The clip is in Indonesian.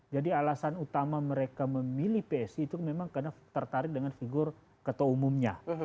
jadi alasan utama mereka memilih psi itu memang karena tertarik dengan figur ketua umumnya